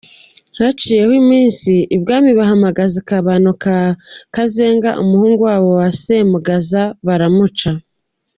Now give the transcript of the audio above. Haciyeho iminsi, ibwami bahamagaza Kabano ka Kazenga umuhungu wabo wa Semugaza, baramuca.